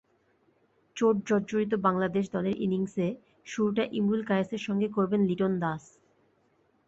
চোট জর্জরিত বাংলাদেশ দলের ইনিংসে শুরুটা ইমরুল কায়েসের সঙ্গে করবেন লিটন দাস।